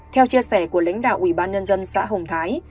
theo chia sẻ của lãnh đạo ủy ban nhân dân xã hồng thái